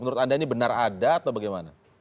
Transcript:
menurut anda ini benar ada atau bagaimana